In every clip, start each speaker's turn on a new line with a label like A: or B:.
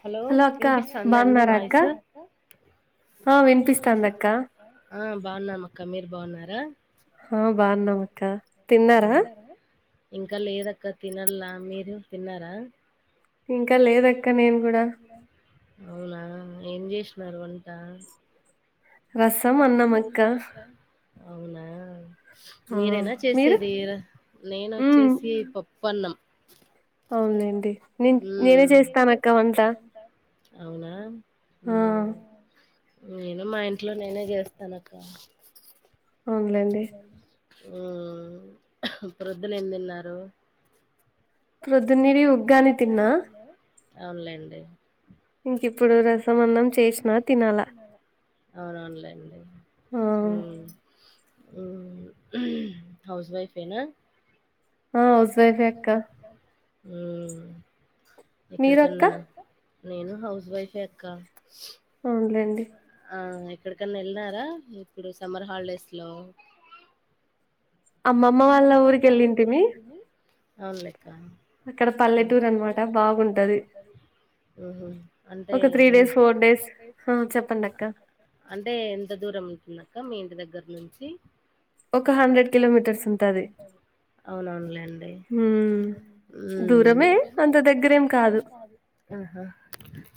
A: Hello వినిపిస్తంద అండి voice
B: ఆ వినిపిస్తాదక్క
A: ఆ బాగున్నామక్క మీర్ బాగున్నారా ఆ ఇంకా లేదక్క తినల్లా మీరు తిన్నారా
B: ఇంకా లేదక్క నేను కూడా
A: అవునా ఏం జెసినారు వంట
B: రసం అన్నమక్క
A: మీరేనా చేసేది ర నేనచ్చేసి పప్పన్నం
B: అవునులేండి నేన్ నేనే చేస్తానక్క వంట
A: అవునా ఉమ్ నేను మా ఇంటి ఇంట్లో నేనే చేస్తానక్క
B: అవున్లేండి
A: ఉమ్ ప్రొద్దునెం తిన్నారు
B: ప్రొద్దునీరి ఉగ్గాని తిన్నా
A: ఔన్లేండి
B: ఇంకిప్పుడు రసమన్నం చేష్నా తినాల
A: ఔనౌన్లేండి ఊమ్ ఊమ్ హౌస్ వైఫేనా ఊ హౌస్ వైఫేక్క ఊమ్ ఎక్కడికన్న మీరక్క నేను హౌస్ వైఫే అక్క [unintelligible] ఆ ఎక్ ఎక్కడికన్నెళ్నారా ఇప్పుడు సమ్మర్ హాలిడేస్లో
B: అమ్మమ్మ వాళ్ళ ఊరికెళ్ళింటిమి
A: ఔన్లేక్కా ఆడ [unintelligible] బాగుంటది ఉహు అంటే త్రీ డేస్ ఫోర్ డేస్ [inaudible] అంటే ఎంత దూరమైతుందక్క మీ ఇంటి దగ్గర్నుంచి
B: ఒక హండ్రెడ్ కిలోమిట
A: [inaudible] ఔనౌన్లేండి ఊమ్ ఊమ్ నిజమే కొ దగ్గిరేం కాదు ఆహ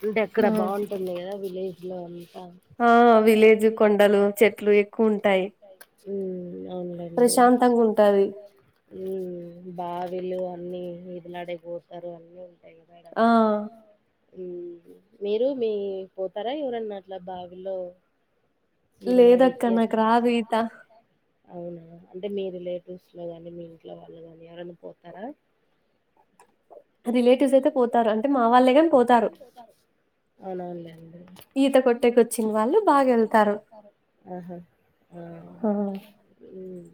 A: అంటె అక్కడ బాగుంటుంది కద విలేజ్లొమ్ అ ఆ విలేజ్ కొండలు చెట్లు ఉంటయ్ ఊమ్ ఔన్లేండి [unintelligible] ఉంటాయి ఊమ్ బావిలూ అ న్నీ ఈదలాడేక్పోతారు అన్నీ ఉ
B: ఆ
A: ఊమ్ మీరూ మీ పోతారా ఎవరన్నట్ల బావిలో
B: లేదక్క నాకు రాదు ఈత
A: అంటె మీ రిలేటివ్స్లొ గాని మి ఇంట్లో వాళ్ళు గాని ఎవరన్న పోతారా
B: రిలేటివ్సైతె పోతారు అంటె మా వాళ్ళే గాన్ పోతారు
A: ఔనౌన్లేండి [unintelligible] [inaudible] ఆహా ఆ [inaudible] ఊమ్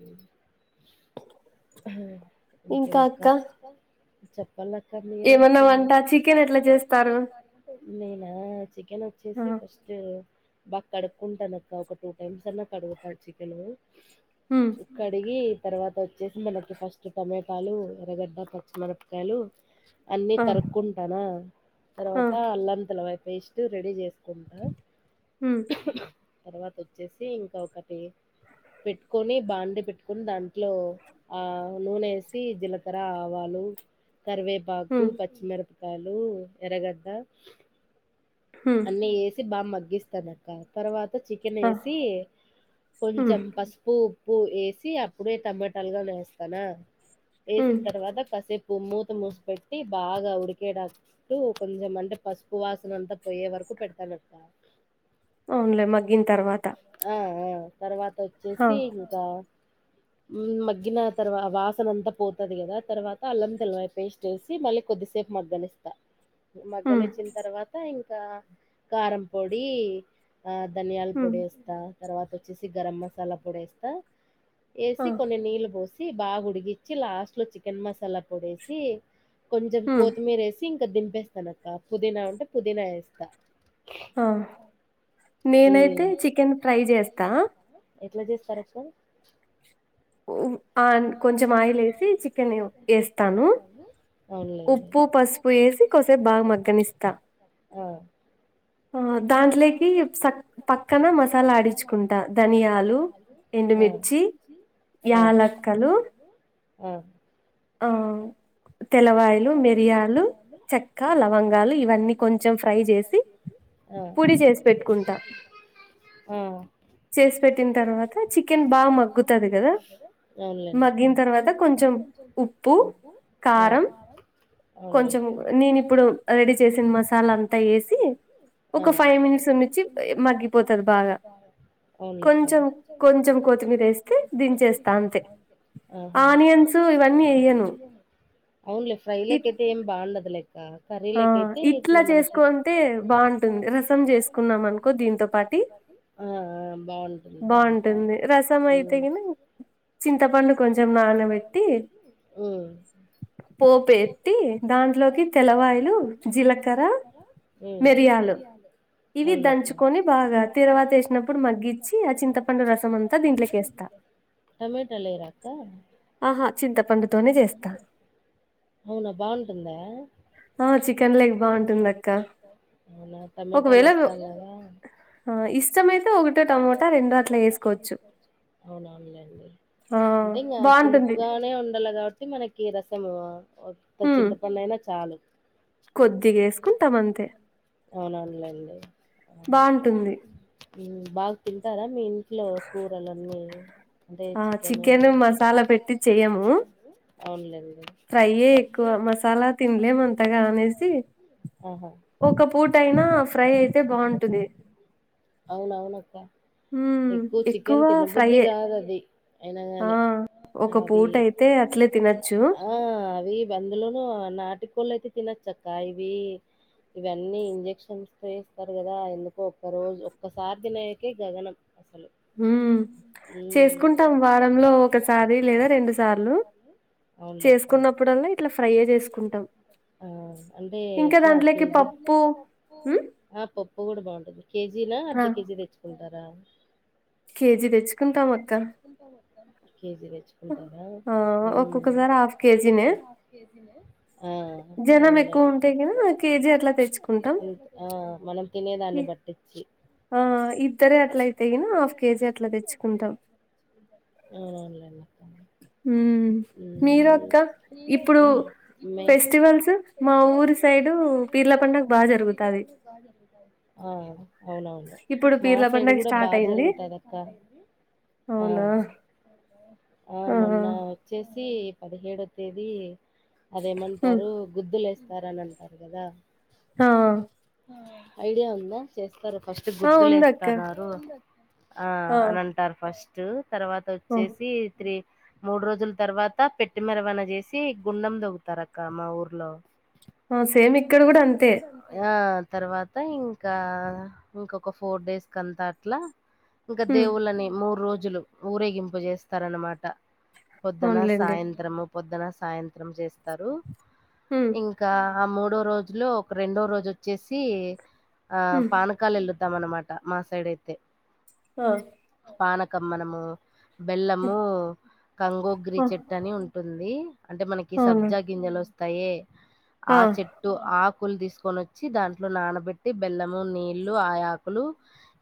A: ఉమ్ ఇంకేమక్క ఇంకా అక్క చెప్పాల్ల క్క మీరె ఏమన్న వన్ ఫాట్టీకె [unintelligible] నేనా చికెనొచ్చేసి ఫస్ట్ ట్ బాగ్ కడుక్కుంటానక్క ఒక టూ టైమ్సన్న కడుగుతా చికెనూ కడిగీ తర్వాత వచ్చేసి మనకి ఫస్ట్ టమటాలు ఎరగడ్డ పచ్చిమిరప్కాయ్లు అన్నీ తరుక్కుంటానా తరవాత అల్లం తెలవాయ్ పేస్ట్ రెడీ జేస్ కుంటా తరవాతొచ్చేసి ఇంక ఒకటి పెట్కోని బాండి పెట్కోన్ దాంట్లో ఆ నూనేసి జిలకర ఆవాలు [unintelligible] కరివేపాకు పచ్చిమిరప్కాలు ఎరగడ్డ అన్నీ యేసి బా మగ్గిస్తానక్క తర్వాత్ చికెనేసి కొంచం పస్పు ఉ ప్పు యేసీ అప్పుడే టమాటాల్గానేస్తనా యేసిన్ తర్వాత కసేపు మూ మూస్ పెట్టి బాగా ఉడికేడట్టు కొంచం అంటె పస్పు వాసనంత పోయ్యే వర్కు పెడ్తానన్ ఎట్టా
B: ఔన్లె మగ్గిన్ తర్వాత
A: తర్వాతొచ్చేసీ ఇంక ఊమ్ మగ్గిన తర్వా వాసనంత పోతది గద తర్వాత అల్లం తెలవాయ్ పేస్టేసి మళ్ళి కొద్దిసేప్ మగ్గనిస్త మగ్గనిచ్చ్ తర్వాత ఇంక్ కా కారం పొడి ఆ ధనియాల్ పొడేస్తా తర్వాతొచ్చేసి గరం మసాలా పొడేస్తా యేసి కొన్ని నీళ్ళు బోస్ బాగా ఉడికిచ్చి లాస్ట్లో చికెన్ మసాలా పొడేసి కొంచం కోత్మీర్ ఏసి ఇం క దిపేస్తానక్క పుదీనా ఉంటే పుదీనా ఏస్తా.
B: ఆ నేనైతే చికెన్ ఫ్రై చేస్తా.
A: ఎట్లా చేస్తర్ ఒక్సారి
B: ఓ
A: ఆ కొంచం ఆయిల్ వేసి [inaudible] చేస్తాము.
B: వేసి కోసేప్ బాగా మగ్గనిస్తా. ఆ దాంట్లోకి సక్ పక్కన మసాలా ఆడించుకుంటా ధనియాలు ఎండుమిర్చి, యాలక్కలు,
A: ఆ
B: ఆ తెల్లవాయలు, మిరియాలు, చెక్క, లవంగాలు ఇవన్నీ కొంచం ఫ్రై చేసి
A: ఆ ఆ వేసేసిన్ తర్వాత్ చికెన్ బాగా మగ్గుతాది కదా
B: తర్వాత కొంచం ఉప్పు, కారం, కొంచం నేనిప్పుడు రెడీ చేసిన మసాలంతా ఏసి ఒక ఫైవ్ మినిట్స్ నుంచి మగ్గిపోతది బాగా
A: అవున్లే అక్క ఆహా అవున్లే ఫ్రైలకైతే ఏం బాగుండదులె ఆ కర్రీకైతే ఇట్ల మనకి ఆ ఆ బాగుంటుంది బాగుంటుంది. మ్
B: చింత
A: చింతపండు [inaudible]
B: పోప్ ఏత్తే దాంట్లోకి తెల్లవాయలు, జీలకర్ర
A: మ్ అవున్లె టమాటో లేయరా అక్కా అహ చింతపండు [inaudible] అవునా టమటాల్ ఏస్తాం కదా
B: ఆ ఇష్టమైతే ఒకటో టమాటా రెండు అట్ల ఏస్కోవచ్చు.
A: అంటే ఇంగ పులుపుగానే ఉండాల కాబట్టి మనకి రసం ఒక్క చింతపండైనా చాలు
B: కొద్
A: అవునవున్లెండి ఆహా బాగ్ తింటారా మీ ఇంట్లో కూరలన్నీ అంటే
B: చికెన్ మసాలా పెట్టి చెయ్యమూ
A: అవున్లెం ఫ్రైయే ఎక్కువ మసాలా [inaudible]
B: ఒక పూటైనా ఫ్రై అయితే బాగుంటది.
A: అవునవునక్క. ఎక్కువ చికెన్ తినబుద్ది కాదది.
B: ఆ ఒక పూటైతే అ
A: ఆ అవి అందులోనూ నోటు కోళ్ళులైతే తినచ్చక్క ఇవి ఇవన్నీ ఇంజక్షన్స్తో ఏస్తారు కదా ఎందు కో ఒక్క రోజు ఒక్కసారి తినేయకే గగనం అసలు మ్ [inaudible] ఆ అంటే ఎట్టా కేజీ ఆ పప్ పు గుడా బాగుంటుంది. కేజీనా అర్ధ కేజీ తెచ్చుకుంటారా?
B: కేజీ తెచ్చుకుంటాం అక్క.
A: [inaudible] కేజీ తెచ్చుకుంటారా మ్ ఆ అవున్లెండి ఆ మనం తినేదాన్ని బట్టిచ్చి
B: ఆ ఇద్దరే అట్లైతే గిన హాఫ్ కేజీ అట్లా తెచ్చుకుంటాం.
A: అవునవున్లెండి.
B: హ్మ్ మీరు అక్క ఇప్పుడు ఫెస్టివల్స్ మా ఊరి సైడ్ పి
A: సైడ్ పీరిల పండగ బాగా చేస్తారు. జరుగుతాద్ అక్కా
B: అవునా
A: ఆ మొన్నా వచ్చేసి పదిహేడో తేదీ అదేమంటారు గుద్దులేస్ స్తార్ అన్ అంటార్ కదా
B: హా
A: ఐడియా ఉందా చేస్ రు ఫస్ట్ గుద్దులేస్తన్నారు ఆ అన్ అంటారు ఫస్ట్ తర్వాత వచ్చేసి త్రీ మూడు రోజుల్ తర్వాత పెట్టిమెరవన చేసి గుండం దొవ్వుతారక్క మా ఊర్లో
B: ఆ సేమ్ ఇక్కడ గుడా అంతే
A: తర్వాత ఇంకా ఇంకొక ఫోర్ డేస్ కంతా అట్లా ఇంక దేవుళ్ళని మూడ్ రోజులు ఊరేగింపు జేస్తారన్నమాట. పొద్దున, సాయంత్రము, పొద్దున, సాయంత్రం చేస్తారు. ఇంకా ఆ మూడో రోజులో ఒక రెండో రోజ్ వచ్చేసి ఆ పానకాల్ ఎళ్ళ దాం అన్నమాట మా సైడ్ అయితే
B: ఆ
A: పానకం మనము బెల్లమూ గంగోగ్రి చెట్టని ఉంటుంది అంటే మనకి సబ్జా గింజల్ వస్తాయే ఆ చెట్టు ఆక్ కుల్ తీస్కొన్ వచ్చి దాంట్లో నానబెట్టి బెల్లము, నీళ్లు, ఆ యాకులు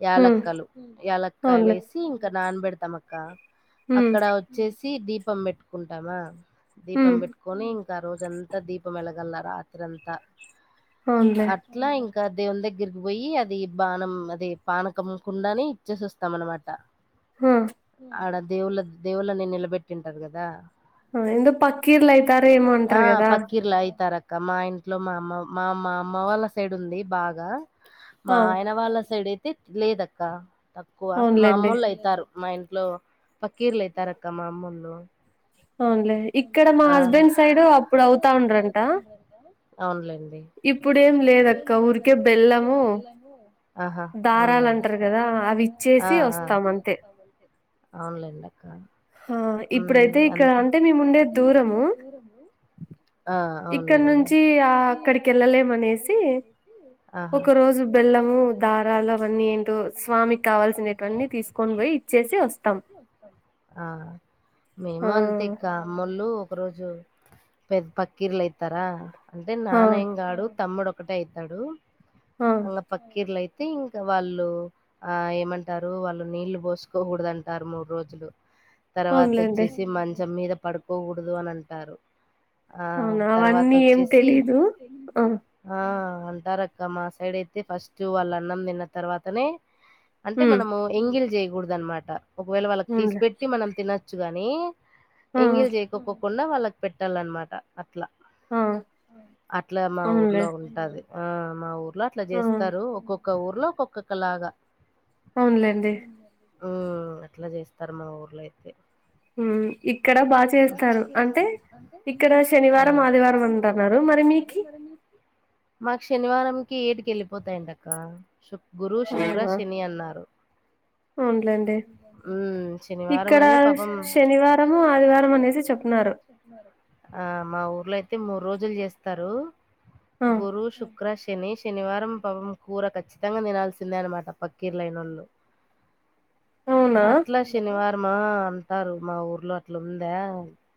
A: యాలక్కలు యాలక్కాయల్ ఏసి ఇంకా నానబెడ్తాం అక్కా. అక్కడ వచ్చేసి దీపం పెట్టుకుంటామా దీపం పెట్టుకొని ఇంకా రోజంతా దీపం వెలగాల రాత్రంతా అట్ల ఇం క దేవున్ దగ్గర్కి పోయి అది బాణం అది పానకం కుండని ఇచ్చేస్ వస్తాం అన్నమాట. ఆడ దేవుళ్ళ దేవుళ్ళని నిలబెట్టింటారు కదా ఆ పక్కీర్లైతార క్క మా ఇంట్లో మా అమ్మ మా మా మా అమ్మ వాళ్ళ సైడ్ ఉంది బాగా మా ఆయన వాళ్ళ సైడ్ అయితే లేదక్క తక్కువ మా అమ్మోళ్ళు అయితారు. మా ఇంట్లో పక్కీర్లైతారక్క మా అమ్మోళ్ళు.
B: అవున్లే ఇక్కడ మా హస్బెండ్ సైడ్ అప్పుడు అవుతా ఉండ్రంట.
A: అవున్లెం ఇప్పుడేం లేదక్క ఉట్టి బెల్లము
B: ఆ
A: దారాలన్
B: అవి ఇచ్చేసీ వస్తాం అంతే
A: అవున్లేండక్క ఉమ్ అంత ఆ అవున్లేండి ఆహా ధరలాన్ని అవి [inaudible] స్వామిక్ కావలసినవాన్ని తీసుకొనిపోయ్యి ఇచ్చేసి వస్తం ఆ మేము అంతేక్కా అమ్మోళ్లు ఒక రోజు పె పక్కిర్లు ఎత్తరా అంటే నానెం గాడు తమ్ముడు ఒ ఒకటే అయితడు అల్ల పక్కీర్లయి అయితే ఇంకా వాళ్ళు ఆ ఏమంటారు వాళ్ళు నీళ్లు పోసుకోకూడదంటారు మూడు రోజులు తర్వాత అచ్చేసి మంచం మీద పడుకోకూడదు అనంటారు ఆ తర్వాత వొచ్చేసి ఆ అంటారక్క మా సైడ్ అయితే ఫస్ట్ వాళ్ళు అన్నం తిన్న తర్వాతనే అంటే మనము ఎంగిల్ చేయకూడదు అనమాట ఒకవేళ వాళ్ళకి తీసి పెట్టి మనం తినచ్చు గాని ఎంగిల్ చేయకోకుండా వాళ్ళకి పెట్టాలనమాట అట్లా అట్లా మా ఊర్లో ఉంటది ఆ మా ఊర్ లో అట్లా చేస్తారు ఒక్కొక్క ఊర్లో ఒక్కొక్కొక్క లాగా
B: అవున్లేండి
A: ఉమ్ అట్లా చేస్తారు మా ఊర్లో అయితే
B: ఉమ్ ఇక్కడ బాగా చేస్తారు అంటే ఇక్కడ శనివారం ఆదివారం అంటన్నారు
A: మాక్ శనివారం కి ఏటికి ఎళ్ళిపోతాంట అక్క శు గురు శుక్ర శని అన్నారు ఉమ్ శనివార్ మని పాపం అ మా ఉ ఊర్ల అయితే మూడు రోజులు చేస్తారు గురు శు క్ర శని శనివారం పాపం కూర ఖచ్చితంగా తినల్సిందే అనమాట పక్కీర్లయినోళ్ళు
B: [inaudible]
A: అట్లా శనివార్ అంటారు మా ఊర్లో అట్లుందా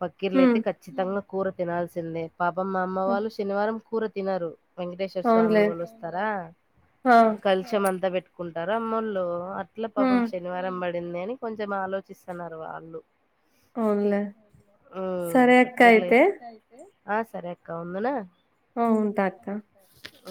A: పక్కిర్లయితే కఖచ్చితంగా కూర తినాల్సిందే పాపమ్ మా అమ్మ వాళ్ళు శనివారం కూర తినరు వెంకటేశ్వర స్వామిని కొలుస్తారా కల్షం అంతా పెట్టుకుంటారా అమ్మోళ్ళు ఇట్ల పాపం శనివారం పడిందని కొంచెం ఆలోచిస్తున్నారు వాళ్ళు ఉమ్ పక్కిర్లే ఆ సరే అక్క ఉందునా
B: అ ఉంటా అక్క
A: ఉ